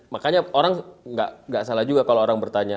makanya orang nggak salah juga kalau orang bertanya